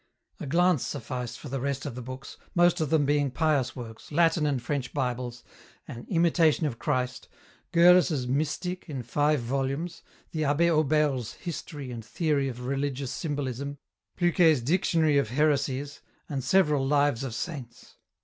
A glance sufficed for the rest of the books, most of them being pious works, Latin and French Bibles, an Imitation of Christ, Görres' Mystik in five volumes, the abbé Aubert's History and theory of religious symbolism, Pluquet's Dictionary of heresies, and several lives of saints.